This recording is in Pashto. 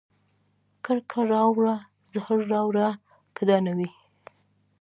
کرکه راوړه زهر راوړه که دا نه وي